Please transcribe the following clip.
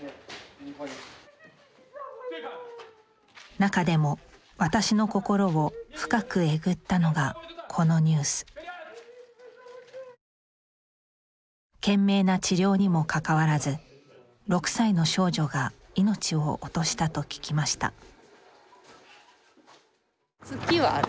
中でも私の心を深くえぐったのがこのニュース懸命な治療にもかかわらず６歳の少女が命を落としたと聞きました月はある？